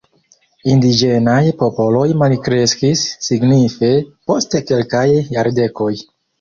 Indiĝenaj popoloj malkreskis signife post kelkaj jardekoj.